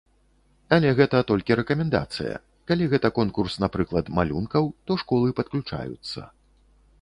Але гэта толькі рэкамендацыя, калі гэта конкурс, напрыклад, малюнкаў, то школы падключаюцца.